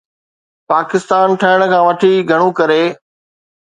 پاڪستان ٺهڻ کان وٺي گهڻو ڪري